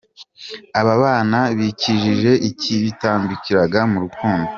Aba bana bikijije icyabitambikiraga mu rukundo.